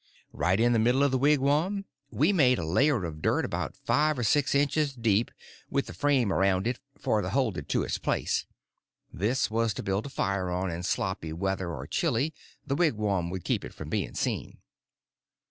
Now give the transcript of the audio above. Right in the middle of the wigwam we made a layer of dirt about five or six inches deep with a frame around it for to hold it to its place; this was to build a fire on in sloppy weather or chilly; the wigwam would keep it from being seen.